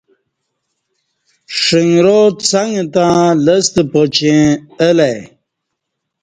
ݜنگرا څݩگہ تہ لستہ پا چیں الہ ای